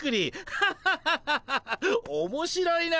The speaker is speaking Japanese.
ハハハハハハおもしろいな。